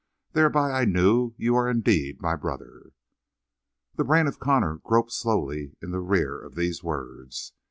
Thereby I knew that you are indeed my brother." The brain of Connor groped slowly in the rear of these words.